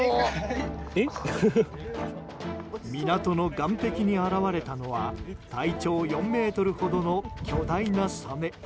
港の岸壁に現れたのは体長４ｍほどの巨大なサメ。